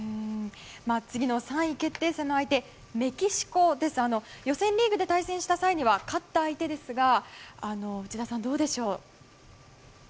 次の３位決定戦の相手はメキシコですが予選リーグで対戦した際には勝った相手ですが内田さん、どうでしょう。